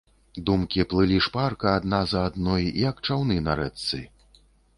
Думкі плылі шпарка адна за адной, як чаўны на рэчцы.